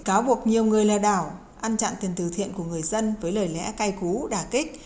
cáo buộc nhiều người lừa đảo ăn chặn tiền từ thiện của người dân với lời lẽ cay cú đà kích